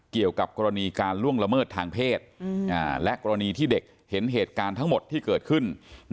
เกี่ยวกับกรณีการล่วงละเมิดทางเพศและกรณีที่เด็กเห็นเหตุการณ์ทั้งหมดที่เกิดขึ้น